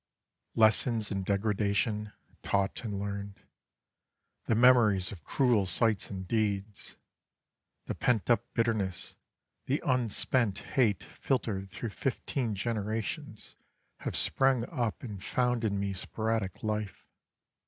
Lessons in degradation, taught and learned, The memories of cruel sights and deeds, The pent up bitterness, the unspent hate Filtered through fifteen generations have Sprung up and found in me sporadic life.